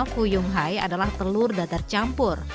fuyung hai adalah telur dadar campur